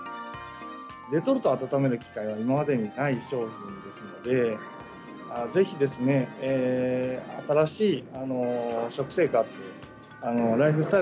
レトルトを温める機械は今までにない商品ですので、ぜひですね、新しい食生活、ライフスタイ